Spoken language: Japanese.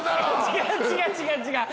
違う違う違う違う。